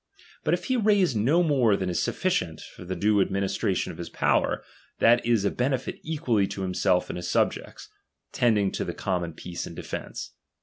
But if he raise no more than is sufficient for the due admi nistration of his power, that is a benefit equally to himself and his subjects, tending to a common peace and defence.